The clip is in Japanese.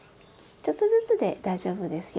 ちょっとずつで大丈夫です。